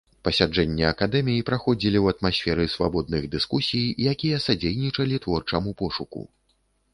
Пасяджэнні акадэмій праходзілі ў атмасферы свабодных дыскусій, якія садзейнічалі творчаму пошуку.